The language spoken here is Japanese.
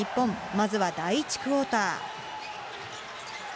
まずは第１クオーター。